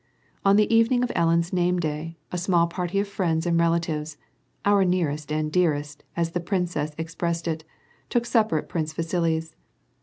On the evening of Ellen's name day, a small party of friends and relatives, — "Our nearest and dearest," as tlie ])rineess ex pressed it, — took supper at Prince Vasili's.